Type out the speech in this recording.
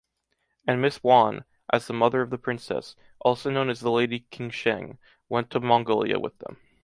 And Mrs. Yuan, as the mother of the princess, also known as the Lady Qinsheng, went to Mongolia with them.